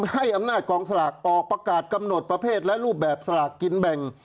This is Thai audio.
ให้อำนาจกองสลากออกประกาศกำหนดประเภทและรูปแบบสลากกินแบ่ง